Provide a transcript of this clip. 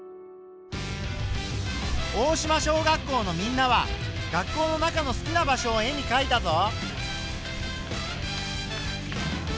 大島小学校のみんなは学校の中の好きな場所を絵にかいたぞ。